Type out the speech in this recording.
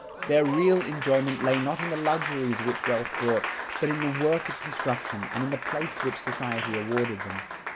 Their real enjoyment lay not in the luxuries which wealth brought, but in the work of construction and in the place which society awarded them.